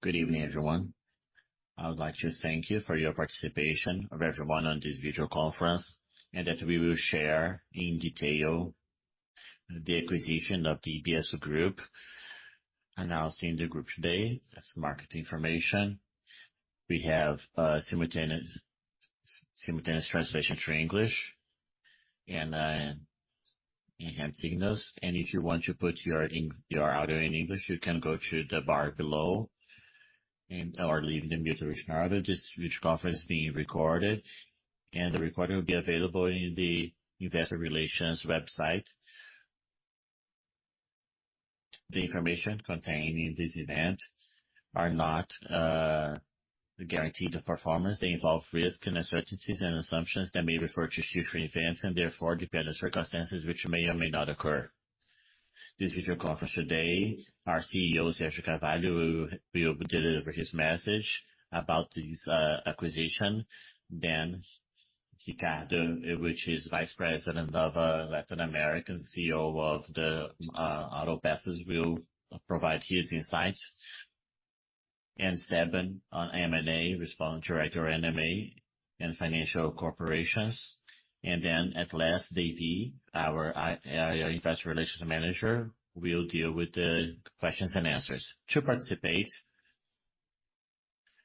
Hello. Good evening, everyone. I would like to thank you for your participation of everyone on this virtual conference, and that we will share in detail the acquisition of the EBS Group, announced in the group today as market information. We have simultaneous translation to English and enhanced signals. And if you want to put your audio in English, you can go to the bar below and/or leave the mute original audio. This virtual conference is being recorded, and the recording will be available in the investor relations website. The information contained in this event are not guaranteed of performance. They involve risk and uncertainties and assumptions that may refer to future events and therefore dependent circumstances, which may or may not occur. This video conference today, our CEO, Sérgio Carvalho, will deliver his message about this acquisition. Then Ricardo, who is Vice President of Latin America, CEO of the Auto Parts, will provide his insight. And Stefan on M&A, Senior Director, M&A and Financial Corporations. And then at last, Davi, our Investor Relations Manager, will deal with the questions and answers. To participate,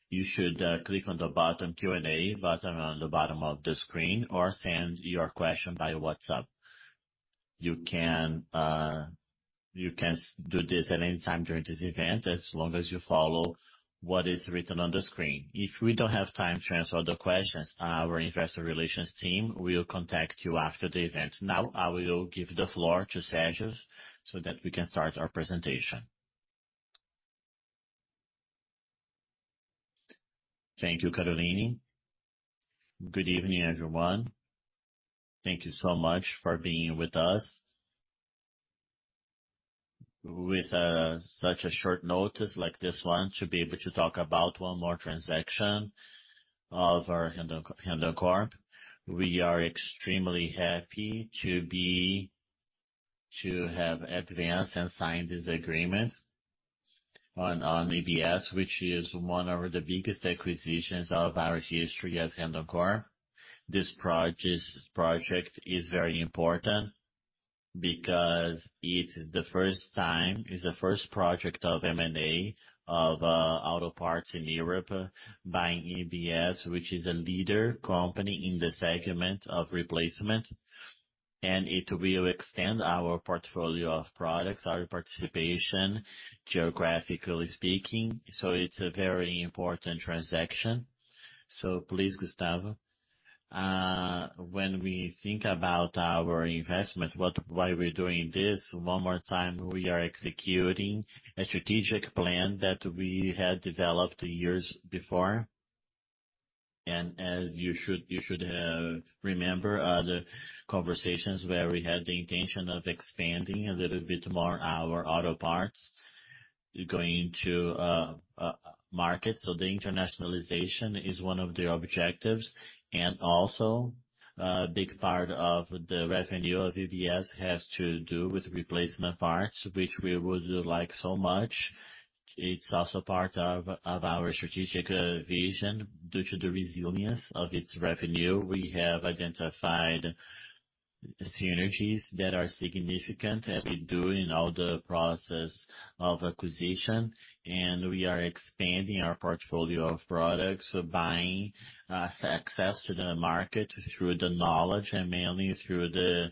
you should click on the bottom Q&A button on the bottom of the screen, or send your question by WhatsApp. You can do this at any time during this event, as long as you follow what is written on the screen. If we don't have time to answer all the questions, our investor relations team will contact you after the event. Now, I will give the floor to Sérgio, so that we can start our presentation. Thank you, Caroline. Good evening, everyone. Thank you so much for being with us. With such a short notice like this one, to be able to talk about one more transaction of our Randon, Randoncorp. We are extremely happy to have advanced and signed this agreement on EBS, which is one of the biggest acquisitions of our history as Randoncorp. This project is very important, because it's the first time, it's the first project of M&A of auto parts in Europe, buying EBS, which is a leader company in the segment of replacement, and it will extend our portfolio of products, our participation, geographically speaking, so it's a very important transaction. So please, Gustavo. When we think about our investment, what, why we're doing this, one more time, we are executing a strategic plan that we had developed years before. As you should remember the conversations where we had the intention of expanding a little bit more our auto parts going to market. The internationalization is one of the objectives, and also, a big part of the revenue of EBS has to do with replacement parts, which we would like so much. It's also part of our strategic vision. Due to the resilience of its revenue, we have identified synergies that are significant, as we do in all the process of acquisition, and we are expanding our portfolio of products. Buying access to the market through the knowledge and mainly through the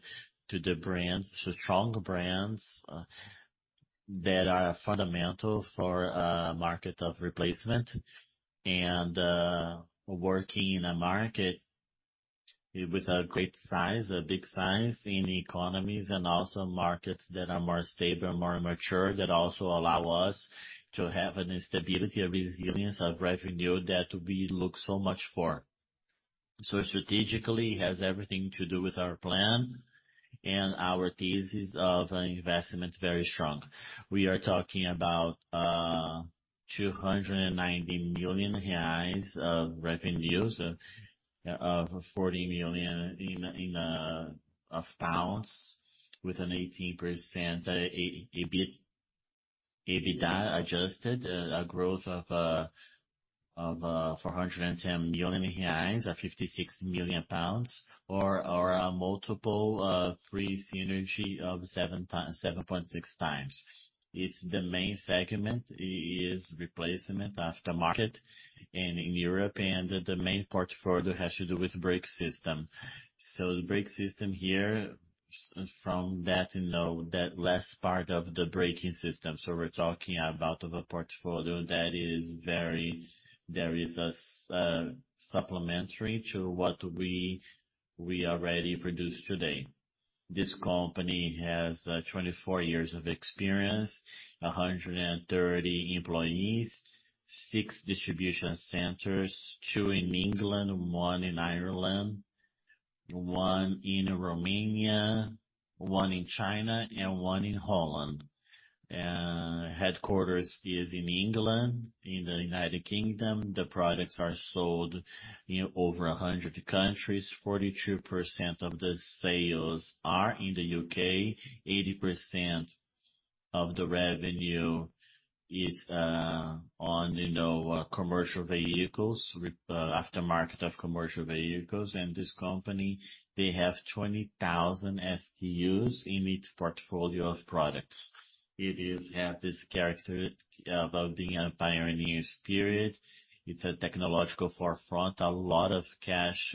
strong brands that are fundamental for market of replacement. Working in a market with a great size, a big size in economies and also markets that are more stable and more mature, that also allow us to have an instability, a resilience of revenue that we look so much for. So strategically, it has everything to do with our plan and our thesis of investment, very strong. We are talking about 290 million reais of revenues, of 40 million, with an 18% EBITDA adjusted, a growth of 410 million reais, 56 million pounds, or a multiple of three synergy of 7.6 times. It's the main segment, is replacement aftermarket, and in Europe, and the main portfolio has to do with brake system. So the brake system here, from that note, that last part of the braking system, so we're talking about a portfolio that is very supplementary to what we already produce today. This company has 24 years of experience, 130 employees, six distribution centers, two in England, one in Ireland, one in Romania, one in China, and one in Holland. Headquarters is in England, in the United Kingdom. The products are sold in over 100 countries. 42% of the sales are in the U.K., 80% of the revenue is, you know, on commercial vehicles, aftermarket of commercial vehicles. And this company, they have 20,000 SKUs in its portfolio of products. It has this characteristic about being a pioneer spirit. It's a technological forefront, a lot of cash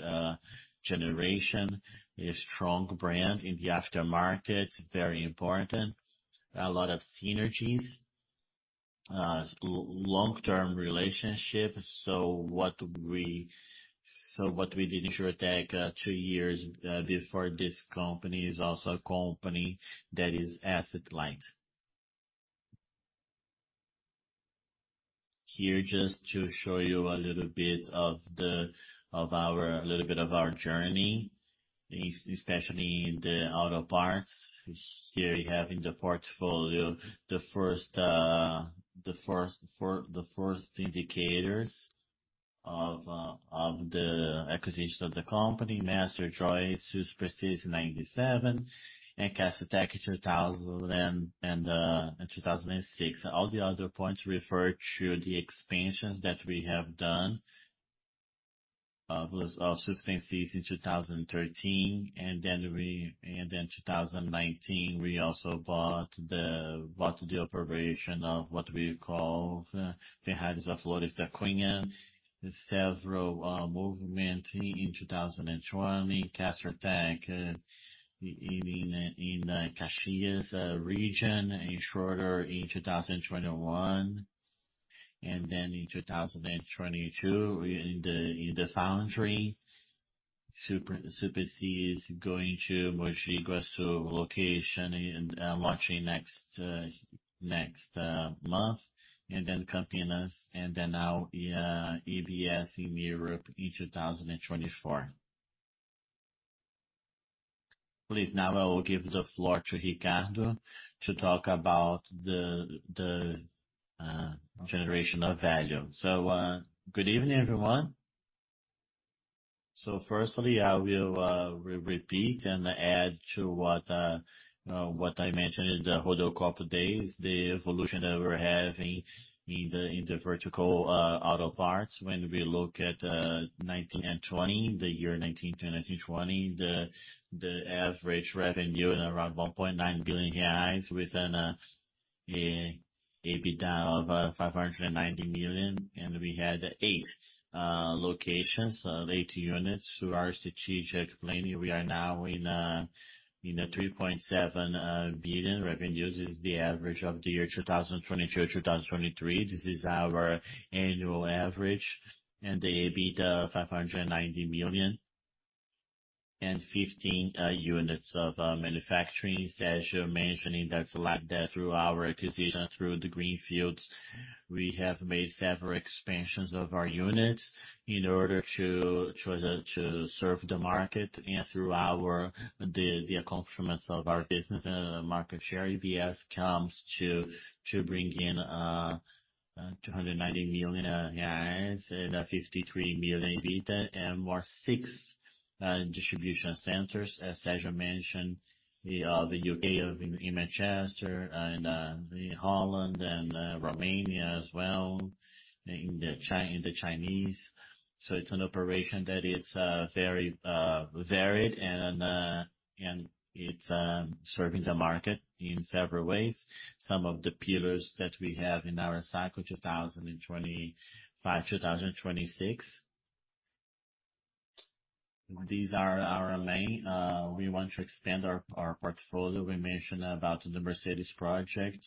generation, a strong brand in the aftermarket, very important, a lot of synergies, long-term relationships. So what we did in Juratek two years, this for this company is also a company that is asset-light. Here, just to show you a little bit of our journey, especially in the auto parts. Here, we have in the portfolio the first indicators of the acquisition of the company, Master, JOST, Suspensys in ninety-seven, and Castertech in two thousand and six. All the other points refer to the expansions that we have done, Suspensys in two thousand and thirteen, and then two thousand and nineteen, we also bought the operation of what we call Ferragens Flores da Cunha. Several movement in two thousand and twenty, Castertech in Caxias region, Juratek in two thousand and twenty-one, and then in two thousand and twenty-two, in the foundry, Superc is going to Mogi Guaçu location and launching next month, and then Campinas, and then now EBS in Europe in two thousand and twenty-four. Please, now I will give the floor to Ricardo to talk about the generation of value. So, good evening, everyone. So firstly, I will repeat and add to what I mentioned in the roadshow a couple days, the evolution that we're having in the vertical, auto parts. When we look at 2019 and 2020, the year 2019 to 2020, the average revenue is around 1.9 billion reais, within EBITDA of 590 million, and we had eight locations, eight units. Through our strategic planning, we are now in a 3.7 billion revenues. This is the average of the year 2022, 2023. This is our annual average, and the EBITDA 590 million, and 15 units of manufacturing. As you're mentioning, that's a lot there. Through our acquisition, through the greenfields, we have made several expansions of our units in order to serve the market, and through our, the accomplishments of our business, market share, EBS comes to bring in 290 million and 53 million EBITDA, and six more distribution centers. As Sérgio mentioned, the U.K. in Manchester, and in Holland, and Romania as well, in China. So it's an operation that it's very varied, and it's serving the market in several ways. Some of the pillars that we have in our cycle, two thousand and twenty-five, two thousand and twenty-six. These are our main, we want to expand our portfolio. We mentioned about the Mercedes project.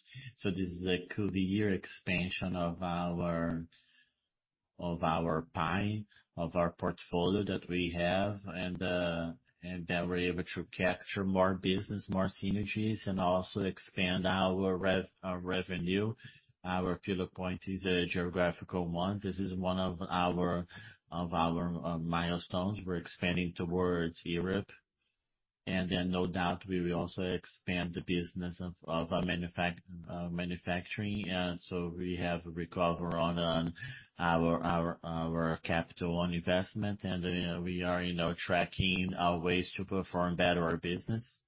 This is a key year expansion of our pie of our portfolio that we have, and that we're able to capture more business, more synergies, and also expand our revenue. Our pillar point is a geographical one. This is one of our milestones. We're expanding towards Europe, and then no doubt we will also expand the business of manufacturing. We have ROI on our capital investment, and we are, you know, tracking our ways to perform better our business.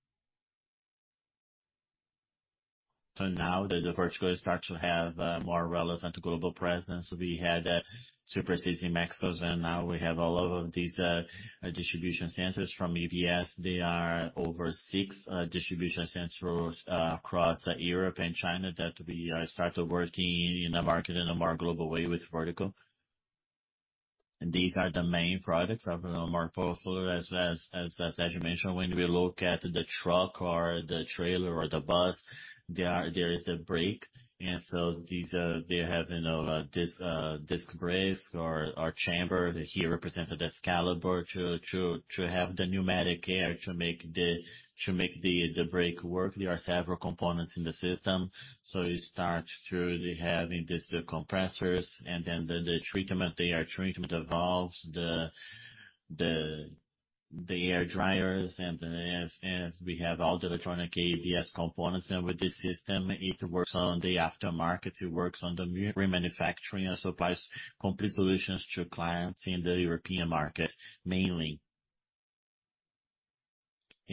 Now that the vertical start to have more relevant global presence, we had Suspensys in Mexico, and now we have all of these distribution centers from EBS. They are over six distribution centers across Europe and China, that we start working in the market in a more global way with Vertical. And these are the main products of our portfolio as Sérgio mentioned, when we look at the truck or the trailer or the bus, there is the brake. And so these they have, you know, disc brakes or chamber. Here represents the caliper to have the pneumatic air, to make the brake work. There are several components in the system, so you start to the having these, the compressors, and then the treatment, the air treatment, the valves, the air dryers, and then as we have all the electronic ABS components. And with this system, it works on the aftermarket, it works on the remanufacturing, and supplies complete solutions to clients in the European market, mainly.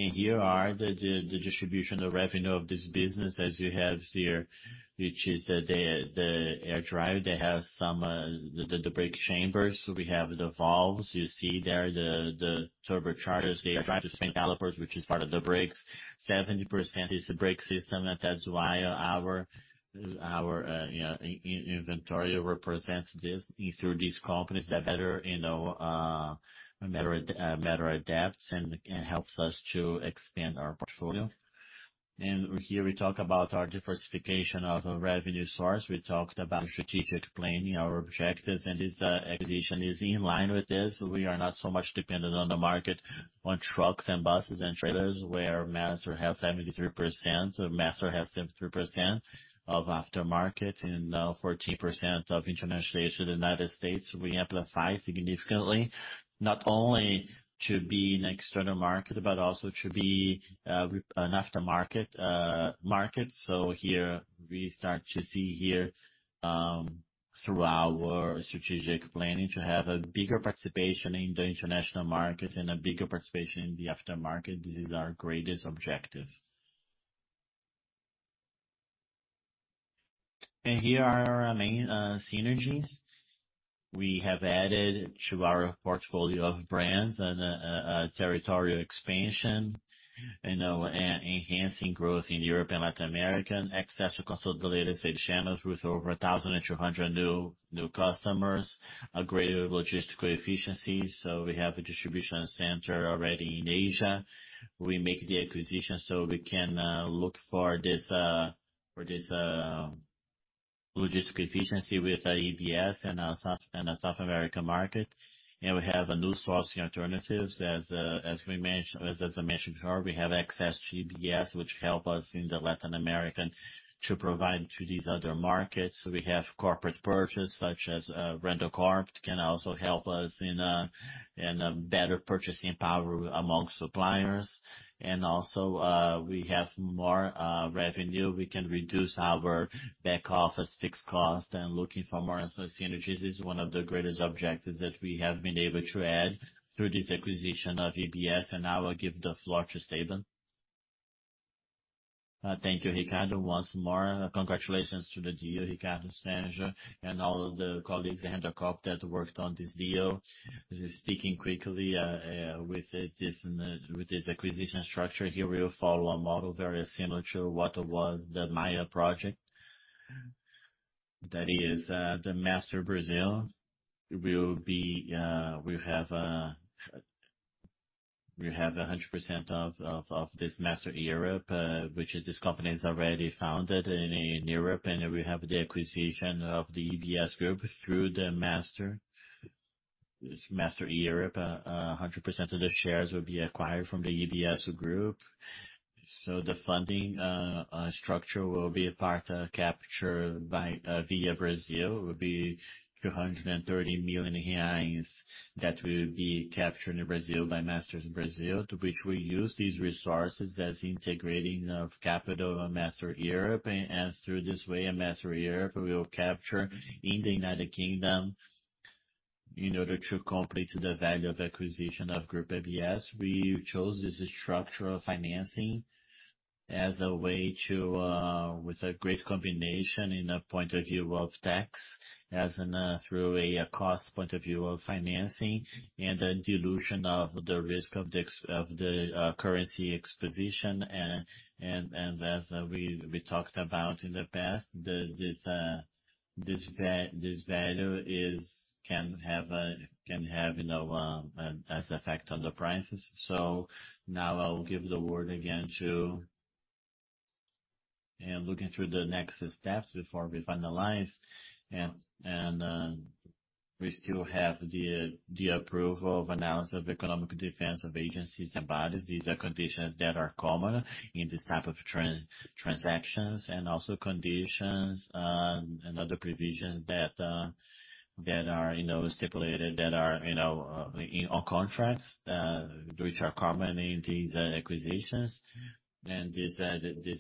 Here are the distribution of revenue of this business, as you have here, which is the air dryer. They have some brake chambers. We have the valves, you see there, the turbochargers, they drive the calipers, which is part of the brakes. 70% is the brake system, and that's why our, you know, inventory represents this, through these companies that better adapts and helps us to expand our portfolio. Here we talk about our diversification of a revenue source. We talked about strategic planning, our objectives, and this acquisition is in line with this. We are not so much dependent on the market, on trucks and buses and trailers, where Master has 73%. So Master has 73% of aftermarket, and 14% of international trade to the United States. We amplify significantly, not only to be an external market, but also to be an aftermarket market. So here, we start to see, through our strategic planning, to have a bigger participation in the international market and a bigger participation in the aftermarket. This is our greatest objective. Here are our main synergies. We have added to our portfolio of brands and a territorial expansion, you know, and enhancing growth in Europe and Latin America. Access to consolidated sales channels with over 1,200 new customers. A greater logistical efficiency, so we have a distribution center already in Asia. We make the acquisition so we can look for this logistic efficiency with EBS and South American market. We have new sourcing alternatives. As we mentioned, as I mentioned earlier, we have access to EBS, which help us in the Latin American to provide to these other markets. We have corporate purchase such as Randoncorp can also help us in a better purchasing power among suppliers. Also, we have more revenue. We can reduce our back office fixed cost and looking for more synergies is one of the greatest objectives that we have been able to add through this acquisition of EBS. Now I give the floor to Stefan. Thank you, Ricardo. Once more, congratulations to the deal, Ricardo and all the colleagues at Randoncorp that worked on this deal. Just speaking quickly, with this acquisition structure, here we will follow a model very similar to what was the Maya project. That is, the Master Brazil will be, we have a hundred percent of this Master Europe, which is this company is already founded in Europe, and we have the acquisition of the EBS Group through the Master Europe. A hundred percent of the shares will be acquired from the EBS Group. So the funding structure will be a part captured by via Brazil, will be 230 million reais, that will be captured in Brazil by Master Brazil, to which we use these resources as integrating of capital of Master Europe. And as we talked about in the past, this value can have you know an effect on the prices. Looking through the next steps before we finalize, we still have the approval of analysis of economic defense of agencies and bodies. These are conditions that are common in this type of transactions, and also conditions and other provisions that are, you know, stipulated that are, you know, in all contracts which are common in these acquisitions. And this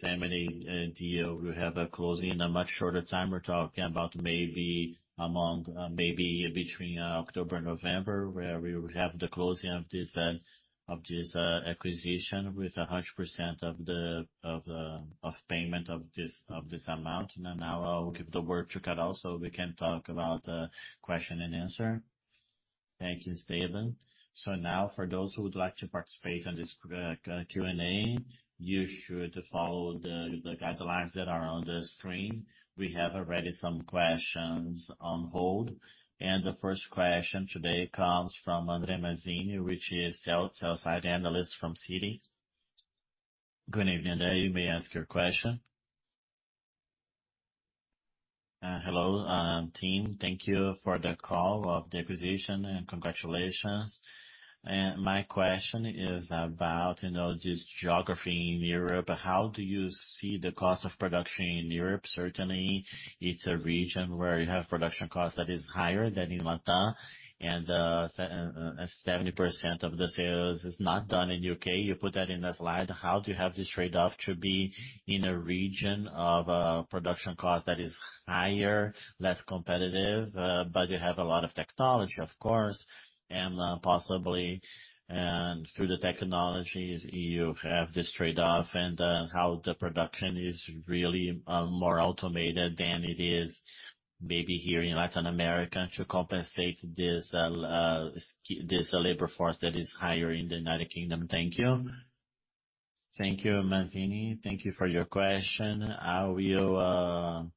M&A deal, we have a closing in a much shorter time. We're talking about maybe between October, November, where we will have the closing of this acquisition with 100% of the payment of this amount. And then now I'll give the word to Carol, so we can talk about question and answer. Thank you, Stefan. So now, for those who would like to participate on this Q&A, you should follow the guidelines that are on the screen. We have already some questions on hold, and the first question today comes from André Mazzini, which is sell-side analyst from Citi. Good evening, André, you may ask your question. Hello, team. Thank you for the call of the acquisition, and congratulations. My question is about, you know, this geography in Europe. How do you see the cost of production in Europe? Certainly, it's a region where you have production cost that is higher than in LATAM, and 70% of the sales is not done in UK. You put that in a slide. How do you have this trade-off to be in a region of production cost that is higher, less competitive, but you have a lot of technology, of course, and possibly, and through the technologies, you have this trade-off and how the production is really more automated than it is? Maybe here in Latin America to compensate this labor force that is higher in the United Kingdom. Thank you. Thank you, Mazzini. Thank you for your question. I will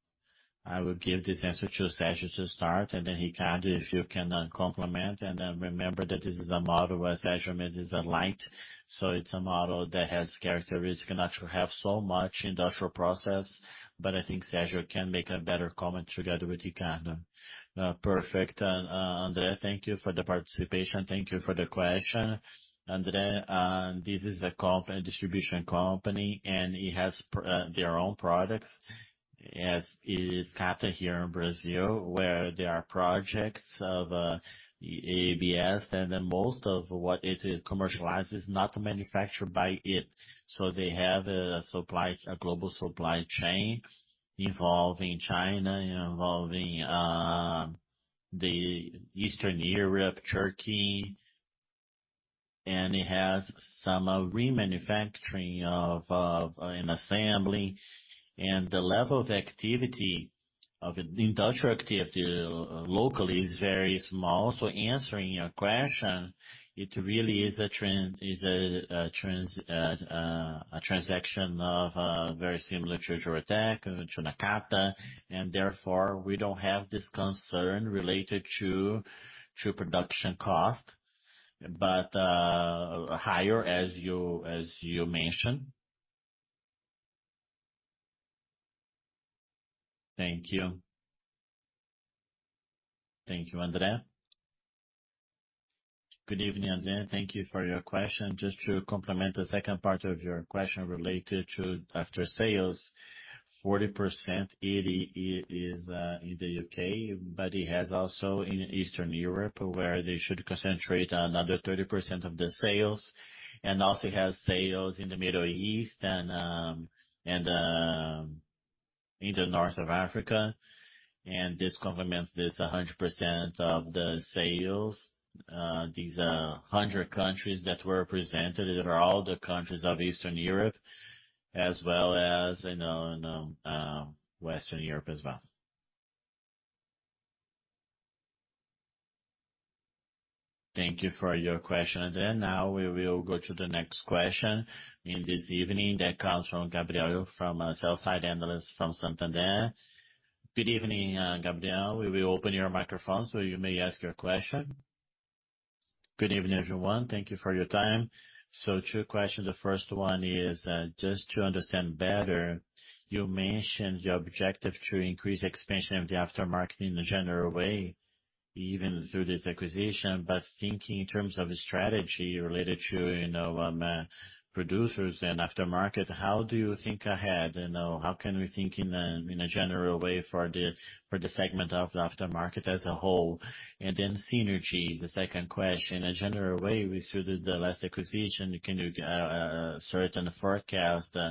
give this answer to Sérgio to start, and then, Ricardo, if you can, complement. And then remember that this is an asset-light model, so it's a model that has characteristics, not to have so much industrial process, but I think Sérgio can make a better comment together with Ricardo. Perfect. André, thank you for the participation. Thank you for the question. André, this is a distribution company, and it has their own products as in Caxias here in Brazil, where there are projects of EBS, and then most of what it is commercialized is not manufactured by it. They have a global supply chain involving China, involving Eastern Europe, Turkey, and it has some remanufacturing of an assembly. The level of activity of industrial activity locally is very small. Answering your question, it really is a transaction very similar to Juratek, to Nakata, and therefore, we don't have this concern related to production cost, but higher as you mentioned. Thank you. Thank you, André. Good evening, André, thank you for your question. Just to complement the second part of your question related to after sales, 40% is in the UK, but it has also in Eastern Europe, where they should concentrate on another 30% of the sales, and also has sales in the Middle East and in North Africa, and this complements 100% of the sales. These 100 countries that were presented, that are all the countries of Eastern Europe, as well as, you know, Western Europe as well. Thank you for your question, André. Now, we will go to the next question this evening that comes from Gabriel, from sell-side analyst from Santander. Good evening, Gabriel. We will open your microphone, so you may ask your question. Good evening, everyone. Thank you for your time. So two questions. The first one is just to understand better, you mentioned your objective to increase expansion of the aftermarket in a general way, even through this acquisition, but thinking in terms of strategy related to, you know, producers and aftermarket, how do you think ahead? You know, how can we think in a general way for the segment of the aftermarket as a whole? And then synergy, the second question: in a general way, we saw the last acquisition, you can do certain forecast, which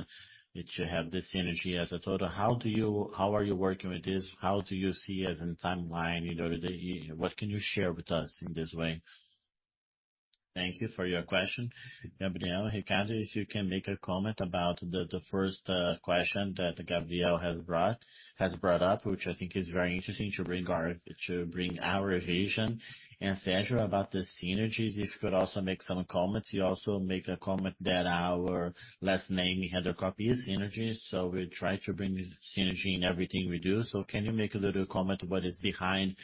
you have this synergy as a total. How do you - How are you working with this? How do you see as in timeline, you know, what can you share with us in this way? Thank you for your question, Gabriel. Ricardo, if you can make a comment about the first question that Gabriel has brought up, which I think is very interesting to bring our vision. And Sérgio, about the synergies, if you could also make some comments. You also make a comment that our last name, we have a policy of synergy, so we try to bring synergy in everything we do. So can you make a little comment about what is behind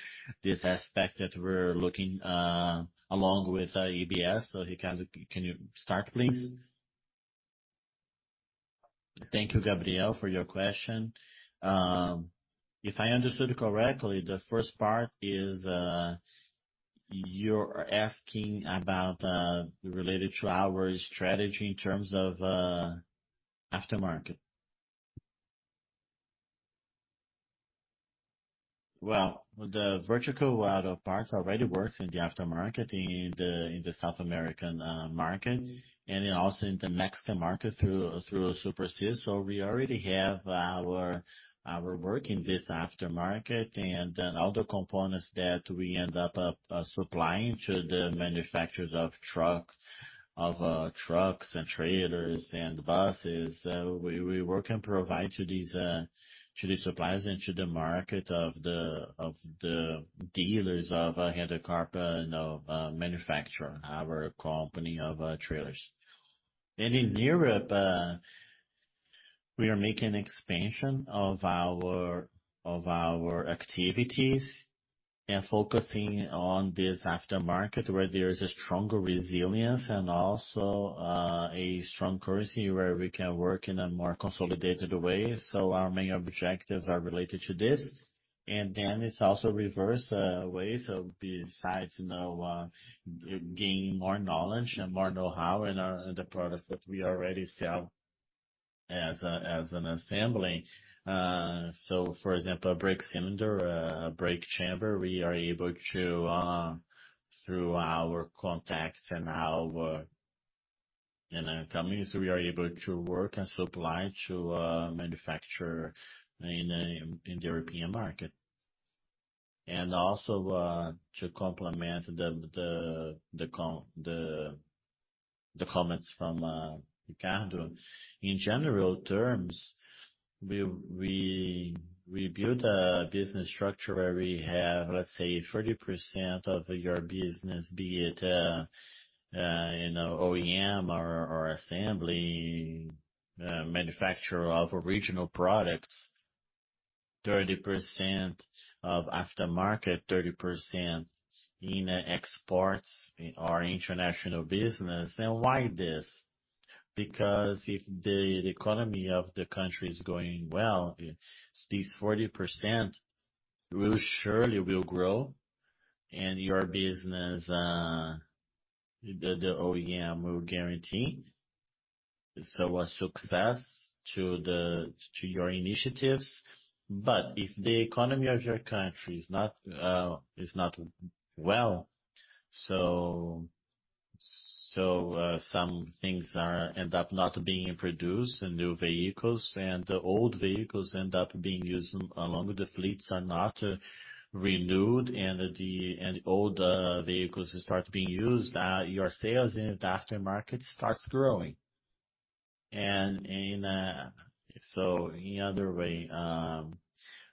this aspect that we're looking along with EBS? So, Ricardo, can you start, please? Thank you, Gabriel, for your question. If I understood correctly, the first part is, you're asking about related to our strategy in terms of aftermarket. The Auto Parts Vertical already works in the aftermarket in the South American market, and then also in the Mexican market through Suspensys. So we already have our work in this aftermarket, and then other components that we end up supplying to the manufacturers of trucks and trailers and buses. We work and provide to these to the suppliers and to the market of the dealers of Randoncorp and manufacturer, our company of trailers. In Europe, we are making expansion of our activities and focusing on this aftermarket, where there is a stronger resilience and also a strong currency where we can work in a more consolidated way. Our main objectives are related to this. It's also reverse way, so besides, you know, gaining more knowledge and more know-how in the products that we already sell as an assembly. So for example, a brake cylinder, a brake chamber, we are able to through our contacts and our, you know, companies, we are able to work and supply to manufacture in the European market. Also, to complement the comments from Ricardo. In general terms, we build a business structure where we have, let's say, 30% of your business, be it, you know, OEM or assembly manufacturer of original products, 30% of aftermarket, 30% in exports or international business. Why this? Because if the economy of the country is going well, these 40% will surely grow, and your business, the OEM, will guarantee so a success to your initiatives, but if the economy of your country is not well, so some things end up not being produced, and new vehicles, and the old vehicles end up being used along with the fleets are not renewed, and old vehicles start being used, your sales in the aftermarket starts growing. And in... So in other way,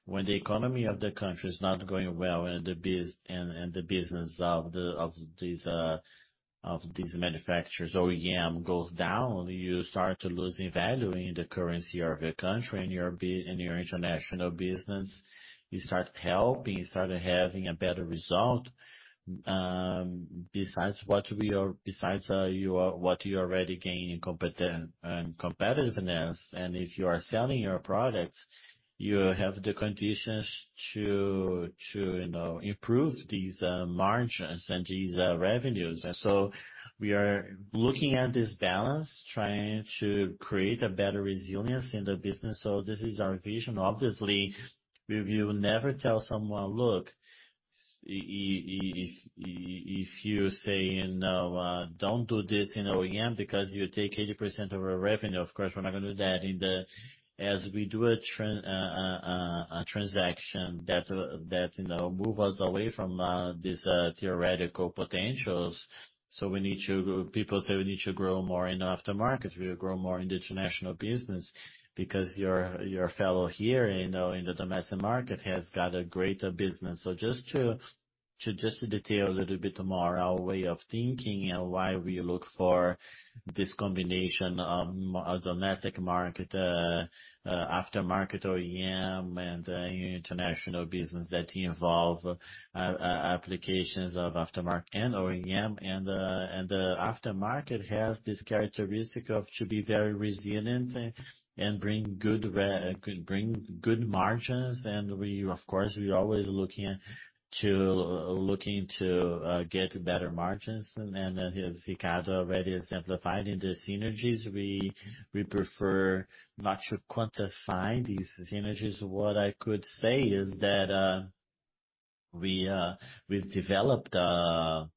when the economy of the country is not going well, and the business of these manufacturers, OEM, goes down, you start losing value in the currency of your country, and your international business, you start helping, you start having a better result. Besides what you already gain in competitiveness, and if you are selling your products, you have the conditions to you know, improve these margins and these revenues. We are looking at this balance, trying to create a better resilience in the business. This is our vision. Obviously, we will never tell someone, "Look, if you say, you know, don't do this in OEM, because you take 80% of our revenue," of course, we're not going to do that. In the, as we do a transaction that, you know, move us away from these theoretical potentials. So people say we need to grow more in aftermarket, we grow more in the international business, because your fellow here, you know, in the domestic market, has got a greater business. So just to detail a little bit more our way of thinking and why we look for this combination of domestic market, aftermarket OEM, and international business that involve applications of aftermarket and OEM, and the aftermarket has this characteristic of to be very resilient and bring good margins, and we, of course, we're always looking to get better margins. And as Ricardo already exemplified in the synergies, we prefer not to quantify these synergies. What I could say is that we've developed a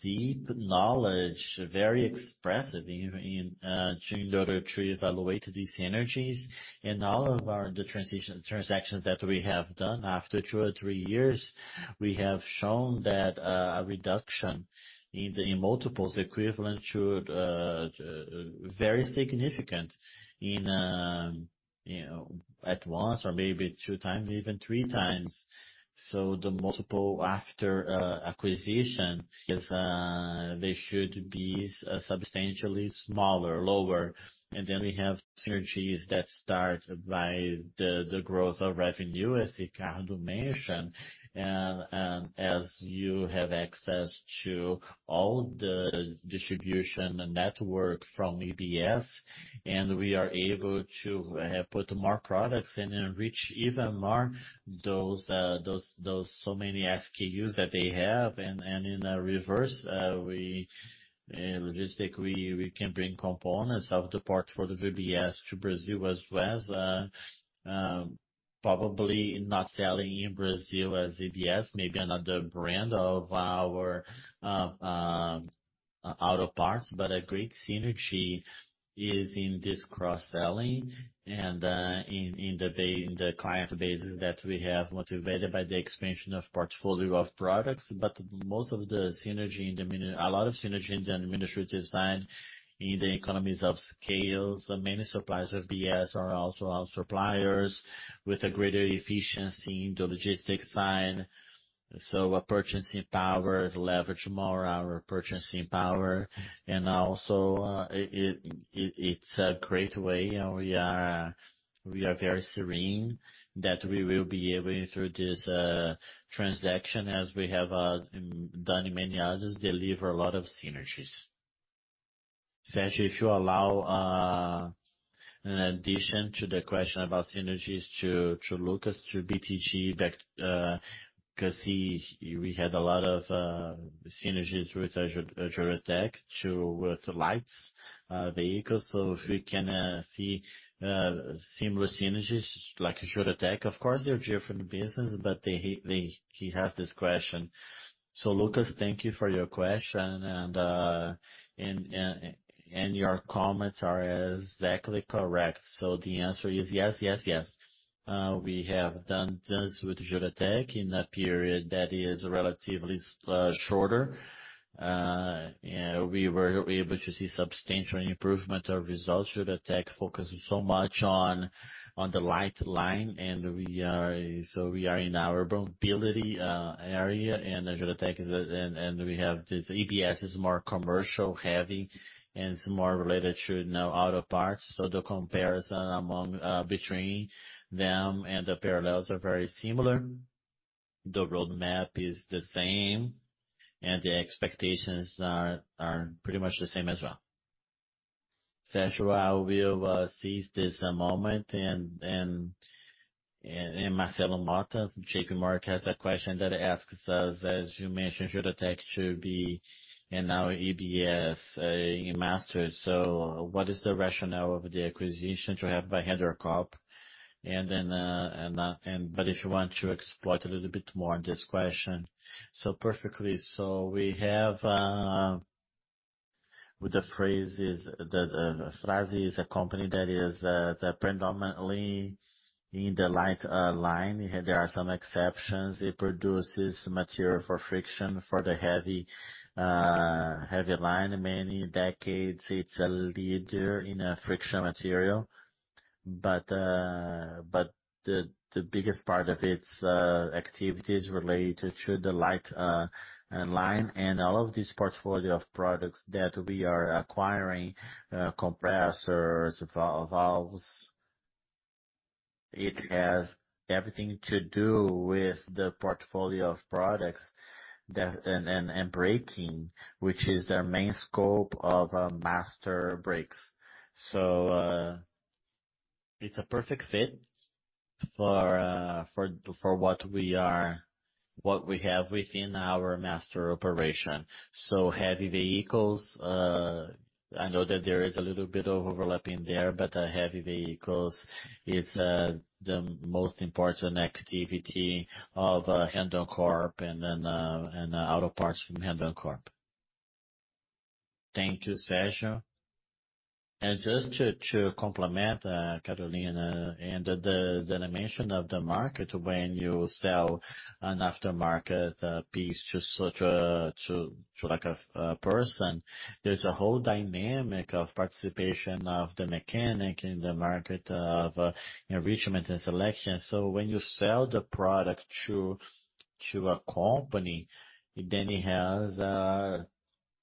deep knowledge, very expressive in order to evaluate these synergies. And all of our transactions that we have done, after two or three years, we have shown that a reduction in the multiples equivalent to very significant, you know, one time or maybe two times, even three times. So the multiple after acquisition is. They should be substantially smaller, lower. And then we have synergies that start by the growth of revenue, as Ricardo mentioned, and as you have access to all the distribution network from EBS, and we are able to put more products and then reach even more those so many SKUs that they have. In a reverse logistics, we can bring components from the portfolio of the EBS to Brazil as well, probably not selling in Brazil as EBS, maybe another brand of our auto parts. But a great synergy is in this cross-selling and in the client bases that we have, motivated by the expansion of portfolio of products. But most of the synergy in the administrative side, a lot of synergy in the administrative side, in the economies of scale. Many suppliers of EBS are also our suppliers with a greater efficiency in the logistics side. So a purchasing power leverage more our purchasing power, and also, it, it's a great way, and we are very serene that we will be able, through this transaction, as we have done in many others, deliver a lot of synergies. Sasha, if you allow, in addition to the question about synergies to Lucas, to BTG, back, because we had a lot of synergies with Juratek to, with the light vehicles. So if we can see similar synergies like Juratek, of course, they're different business, but he has this question. So Lucas, thank you for your question, and your comments are exactly correct. So the answer is yes, yes, yes. We have done this with Juratek in a period that is relatively shorter. Yeah, we were able to see substantial improvement of results. Juratek focuses so much on the light line, and so we are in our mobility area, and we have this EBS is more commercial heavy and it's more related to our auto parts. So the comparison between them and the parallels are very similar. The roadmap is the same, and the expectations are pretty much the same as well. Sérgio, I will seize this moment, and Marcelo Motta from J.P. Morgan has a question that asks us, as you mentioned, Juratek should be, and now EBS in Master. So what is the rationale of the acquisition to have by Randoncorp? And then, if you want to explore it a little bit more on this question. So perfectly. So we have with the Fras-le. The Fras-le is a company that is predominantly in the light line. There are some exceptions. It produces material for friction for the heavy line. Many decades, it's a leader in friction material, but the biggest part of its activity is related to the light line. And all of this portfolio of products that we are acquiring, compressors, valves, it has everything to do with the portfolio of products, and braking, which is their main scope of Master brakes. So, it's a perfect fit for what we have within our Master operation. Heavy vehicles, I know that there is a little bit of overlapping there, but heavy vehicles is the most important activity of Randoncorp, and then and Auto Parts from Randoncorp. Thank you, Sérgio. And just to complement, Caroline, and the dimension of the market, when you sell an aftermarket piece to such a, to like a person, there's a whole dynamic of participation of the mechanic in the market of enrichment and selection. So when you sell the product to a company, then it has a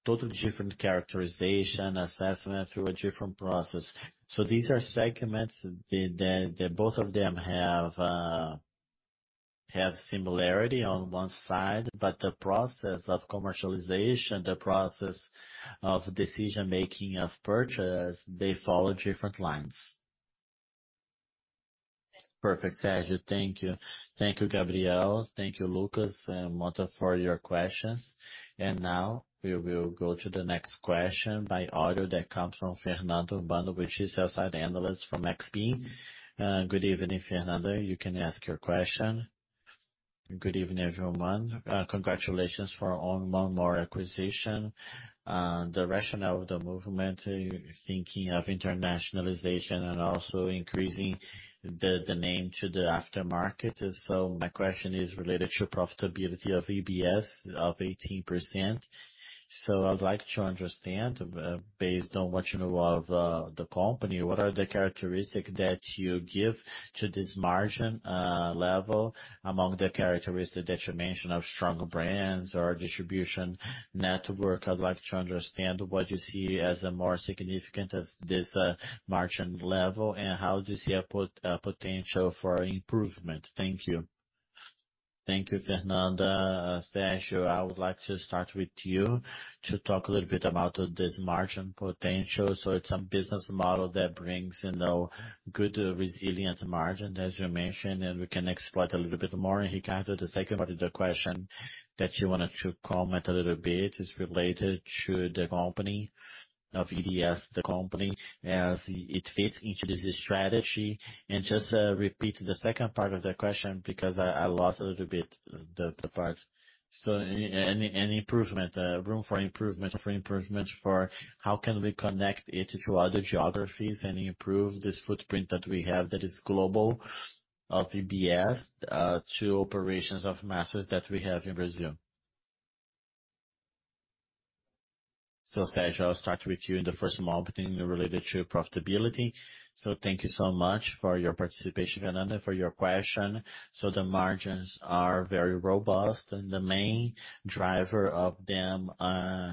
totally different characterization, assessment through a different process. So these are segments that both of them have similarity on one side, but the process of commercialization, the process of decision-making, of purchase, they follow different lines. Perfect, Sérgio. Thank you. Thank you, Gabriel. Thank you, Lucas, and Motta, for your questions. And now we will go to the next question by audio that comes from Fernanda Urbano, which is sell-side analyst from XP. Good evening, Fernanda. You can ask your question. Good evening, everyone. Congratulations for one more acquisition. The rationale of the movement, thinking of internationalization and also increasing the name to the aftermarket. So my question is related to profitability of EBS of 18%. So I'd like to understand, based on what you know of the company, what are the characteristics that you give to this margin level among the characteristics that you mentioned of stronger brands or distribution network. I'd like to understand what you see as more significant to this margin level, and how do you see a potential for improvement. Thank you. Thank you, Fernanda. Sérgio, I would like to start with you to talk a little bit about this margin potential. So it's a business model that brings, you know, good resilient margin, as you mentioned, and we can explore it a little bit more. Ricardo, the second part of the question that you wanted to comment a little bit is related to the company of EBS as it fits into this strategy. And just repeat the second part of the question, because I lost a little bit the part. So any room for improvement for how can we connect it to other geographies and improve this footprint that we have that is global of EBS to operations of Master that we have in Brazil. So, Sérgio, I'll start with you on the first part related to profitability. So thank you so much for your participation, Fernanda, for your question. So the margins are very robust, and the main driver of them, of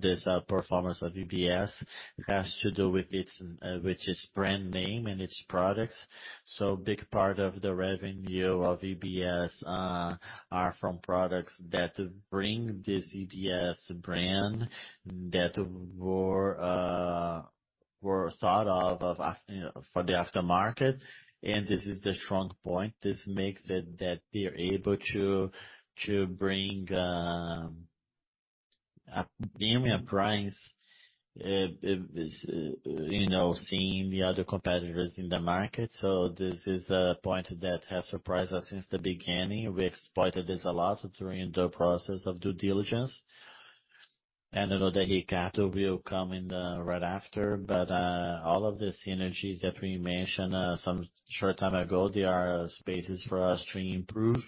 this performance of EBS, has to do with its with its brand name and its products. So big part of the revenue of EBS are from products that bring this EBS brand that were were thought of of for the aftermarket, and this is the strong point. This makes it that we're able to to bring a premium price is, you know, seeing the other competitors in the market. So this is a point that has surprised us since the beginning. We exploited this a lot during the process of due diligence.... And I know that Ricardo will come in right after. But all of the synergies that we mentioned some short time ago, they are spaces for us to improve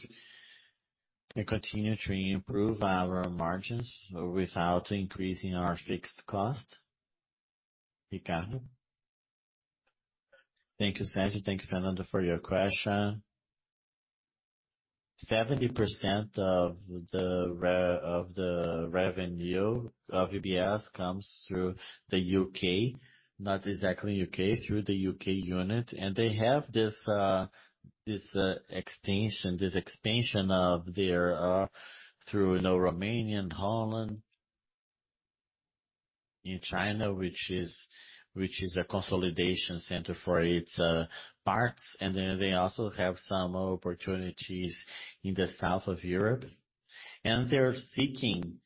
and continue to improve our margins without increasing our fixed cost. Ricardo? Thank you, Sérgio. Thank you, Fernanda, for your question. 70% of the revenue of EBS comes through the U.K., not exactly U.K., through the U.K. unit. And they have this, this extension, this expansion of their through Romania, Holland, in China, which is, which is a consolidation center for its parts. And then they also have some opportunities in the South of Europe. And they're seeking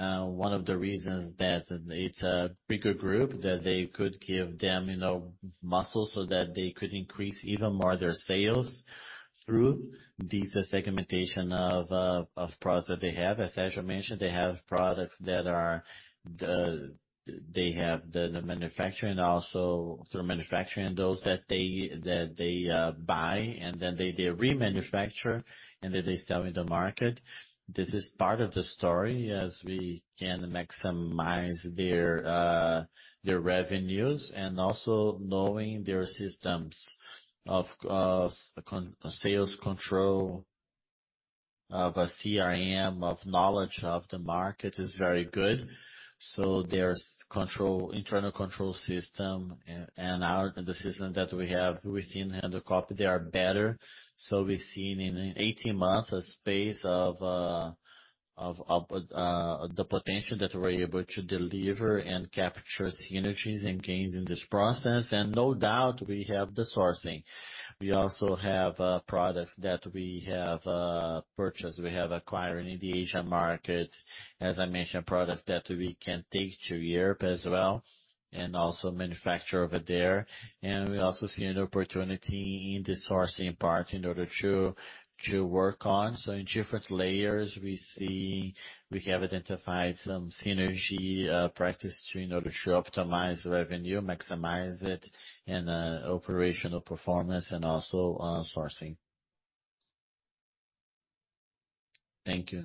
one of the reasons that it's a bigger group, that they could give them, you know, muscle, so that they could increase even more their sales through this segmentation of of products that they have. As Sérgio mentioned, they have products that are, they have the manufacturing also through manufacturing, those that they buy, and then they remanufacture, and then they sell in the market. This is part of the story as we can maximize their revenues, and also knowing their systems of control, sales control, of a CRM, of knowledge of the market is very good. So there's control, internal control system, and the system that we have within Randoncorp, they are better. So we've seen in 18 months, a space of the potential that we're able to deliver and capture synergies and gains in this process. And no doubt, we have the sourcing. We also have products that we have purchased. We have acquired in the Asian market, as I mentioned, products that we can take to Europe as well, and also manufacture over there. We also see an opportunity in the sourcing part in order to work on. So in different layers, we see we have identified some synergy practice to in order to optimize revenue, maximize it, and operational performance, and also sourcing. Thank you.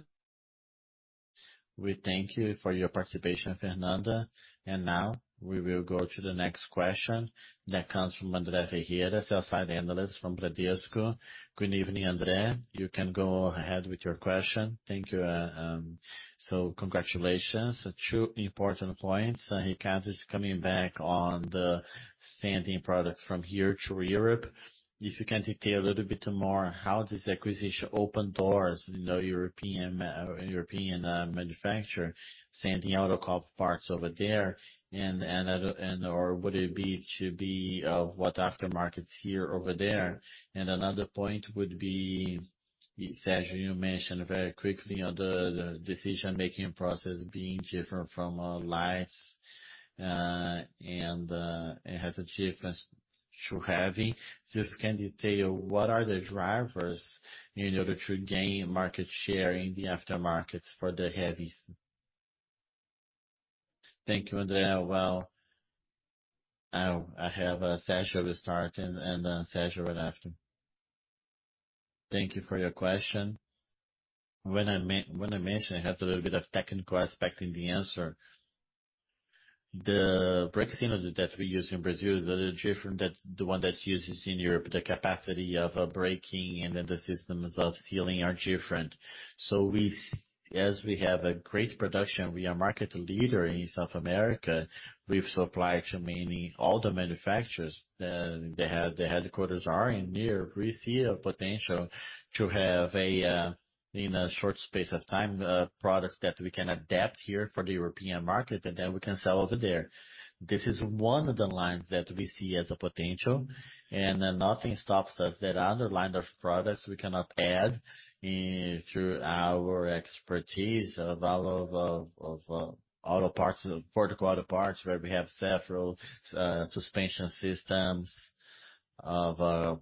We thank you for your participation, Fernanda. And now we will go to the next question that comes from André Ferreira, sell-side analyst from Bradesco. Good evening, André. You can go ahead with your question. Thank you, so congratulations. Two important points, Ricardo, coming back on the sending products from here to Europe. If you can detail a little bit more, how this acquisition opens doors in the European market, European manufacturers, sending auto parts over there, and or would it be what aftermarkets here, over there? And another point would be, Sérgio, you mentioned very quickly on the decision-making process being different from light and it has a difference to heavy. So if you can detail, what are the drivers in order to gain market share in the aftermarkets for the heavies? Thank you, André. Well, I have, Sérgio will start and Sérgio right after. Thank you for your question. When I mention, it has a little bit of technical aspect in the answer. The braking system that we use in Brazil is a little different than the one that uses in Europe. The capacity of braking and then the systems of sealing are different. So as we have a great production, we are market leader in South America. We've supplied to many all the manufacturers, they have, the headquarters are in near. We see a potential to have a in a short space of time products that we can adapt here for the European market, and then we can sell over there. This is one of the lines that we see as a potential, and then nothing stops us. That other line of products we cannot add in through our expertise of auto parts vertical auto parts, where we have several suspension systems of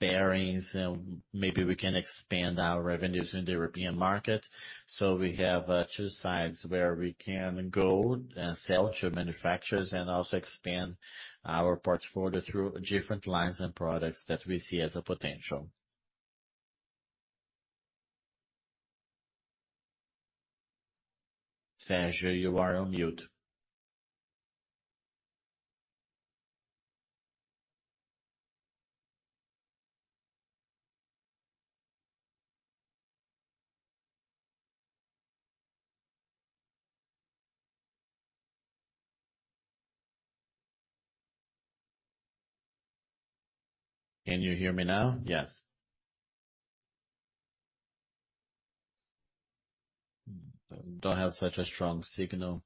bearings, and maybe we can expand our revenues in the European market. So we have two sides where we can go and sell to manufacturers and also expand our portfolio through different lines and products that we see as a potential. Sérgio, you are on mute. Can you hear me now? Yes. Don't have such a strong signal.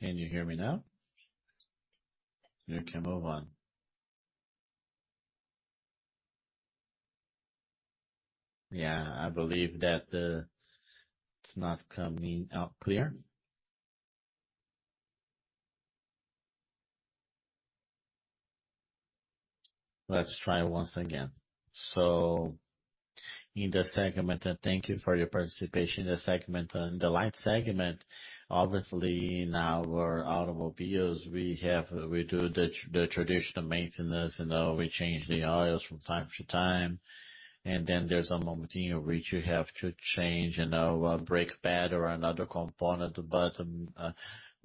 Can you hear me now? You can move on. Yeah, I believe that it's not coming out clear. Let's try once again. In the segment, and thank you for your participation. In the segment, on the light segment, obviously, in our automobiles, we have we do the traditional maintenance, you know, we change the oils from time to time, and then there's a moment in which you have to change, you know, a brake pad or another component.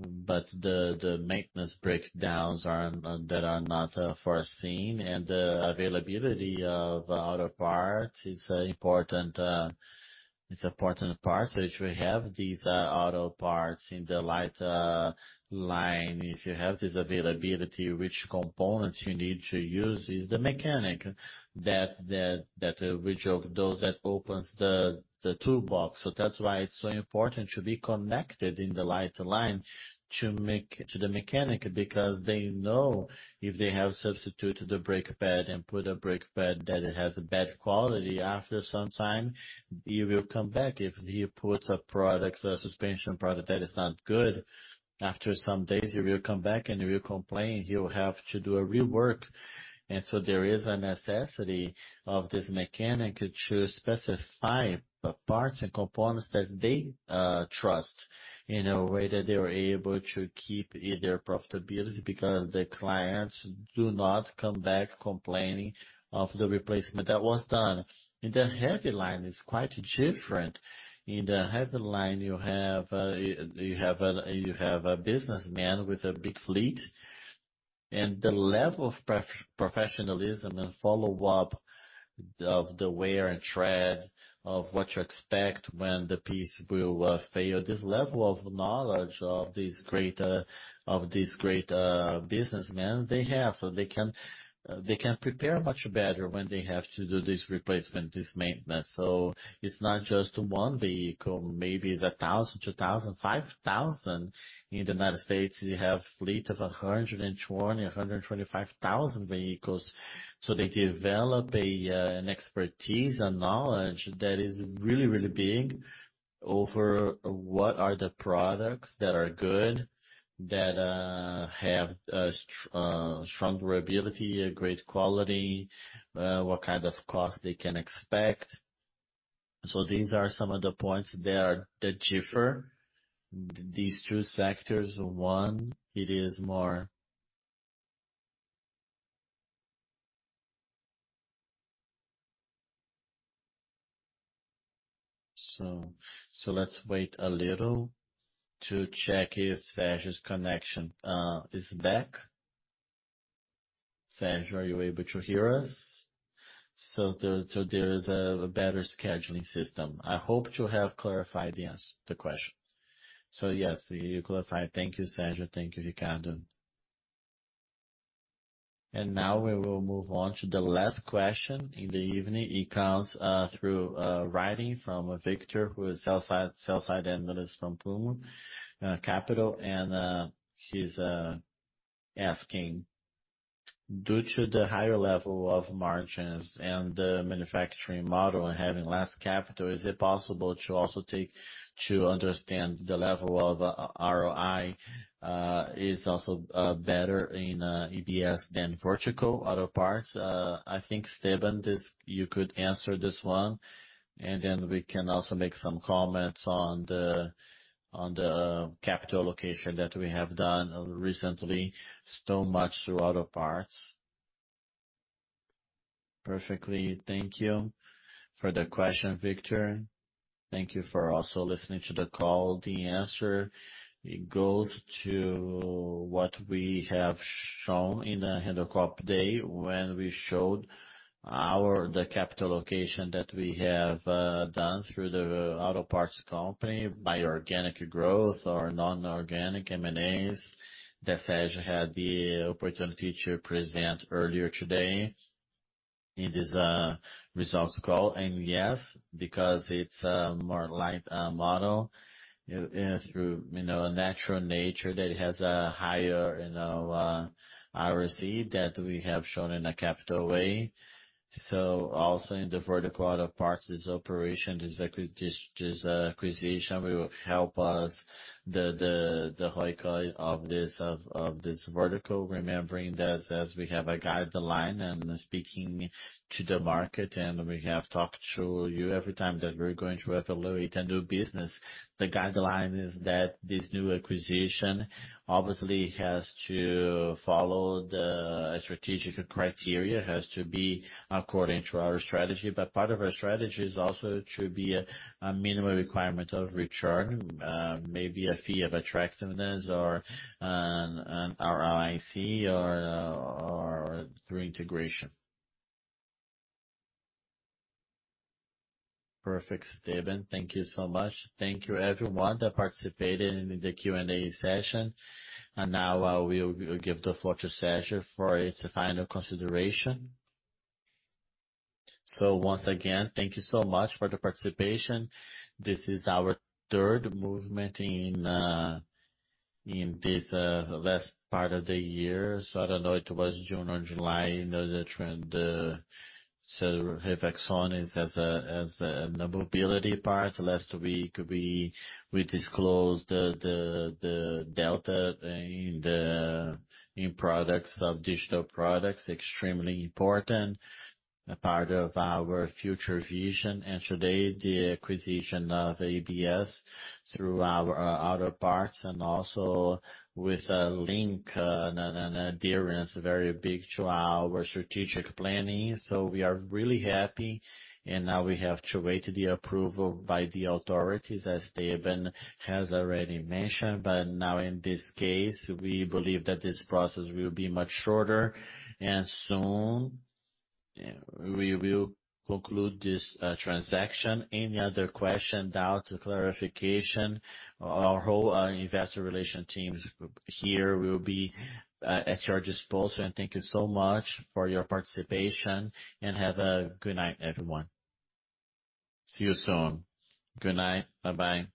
The maintenance breakdowns that are not foreseen, and the availability of auto parts is important. It's important part, which we have these auto parts in the light line. If you have this availability, which components you need to use is the mechanic that which of those that opens the toolbox. So that's why it's so important to be connected in the light line to make to the mechanic, because they know if they have substituted the brake pad and put a brake pad that it has a bad quality, after some time, he will come back. If he puts a product, a suspension product that is not good, after some days, he will come back and he will complain. He will have to do a rework. There is a necessity of this mechanic to specify the parts and components that they trust in a way that they are able to keep their profitability, because the clients do not come back complaining of the replacement that was done. In the heavy line, it's quite different. In the heavy line, you have a businessman with a big fleet, and the level of professionalism and follow-up of the wear and tread of what you expect when the piece will fail. This level of knowledge of these great businessmen they have. They can prepare much better when they have to do this replacement, this maintenance. It's not just one vehicle, maybe it's a thousand, two thousand, five thousand. In the United States, you have a fleet of 120-125 thousand vehicles. So they develop an expertise and knowledge that is really, really big over what are the products that are good, that have strong durability, a great quality, what kind of cost they can expect. So these are some of the points that differ. These two sectors, one, it is more. So let's wait a little to check if Sergio's connection is back. Sergio, are you able to hear us? So there is a better scheduling system. I hope to have clarified the answer, the question. So, yes, you clarified. Thank you, Sergio. Thank you, Ricardo. And now we will move on to the last question in the evening. It comes through writing from Victor, who is a sell-side analyst from Puma Capital, and he's asking: Due to the higher level of margins and the manufacturing model having less capital, is it possible to also take to understand the level of ROI is also better in EBS than vertical auto parts? I think, Stefan, this you could answer this one, and then we can also make some comments on the capital allocation that we have done recently, so much through auto parts. Perfectly. Thank you for the question, Victor. Thank you for also listening to the call. The answer, it goes to what we have shown in the Investor Day, when we showed our capital allocation that we have done through the auto parts company by organic growth or non-organic M&As, that Sérgio had the opportunity to present earlier today. It is a results call, and yes, because it's an asset-light model through, you know, a natural nature that has a higher, you know, ROIC that we have shown in a capital way. Also in the vertical auto parts, this operation, this acquisition will help us the ROI of this of this vertical. Remembering that as we have a guideline, and speaking to the market, and we have talked to you every time that we're going to evaluate a new business, the guideline is that this new acquisition obviously has to follow the strategic criteria, has to be according to our strategy. But part of our strategy is also to be a minimum requirement of return, maybe a fee of attractiveness or an ROIC or through integration. Perfect, Stefan, thank you so much. Thank you everyone that participated in the Q&A session, and now I will give the floor to Sérgio for his final consideration, so once again, thank you so much for the participation. This is our third movement in this last part of the year. I don't know, it was June or July, you know, the trend, so Randon is as a mobility part. Last week, we disclosed the details of the digital products, extremely important part of our future vision. And today, the acquisition of EBS through our auto parts and also with a link, an adherence, very big to our strategic planning. So we are really happy, and now we have to wait the approval by the authorities, as Stefan has already mentioned. But now in this case, we believe that this process will be much shorter, and soon, we will conclude this transaction. Any other question, doubt, clarification, our whole investor relations teams here will be at your disposal. And thank you so much for your participation, and have a good night, everyone. See you soon. Good night. Bye-bye.